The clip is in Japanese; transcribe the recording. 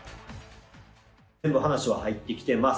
全部話は入ってきてます。